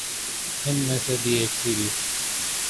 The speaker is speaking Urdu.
ان میں سے بھی ایک سیریز